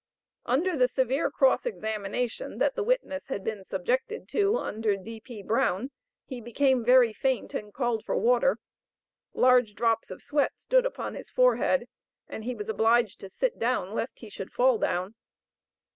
Under the severe cross examination that the witness had been subjected to under D.P. Brown, he became very faint, and called for water. Large drops of sweat stood upon his forehead, and he was obliged to sit down, lest he should fall down.